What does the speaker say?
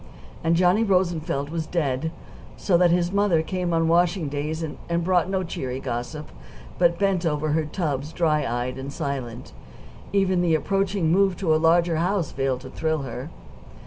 And Johnny Rosenfeld was dead, so that his mother came on washing days, and brought no cheery gossip; but bent over her tubs dry eyed and silent even the approaching move to a larger house failed to thrill her.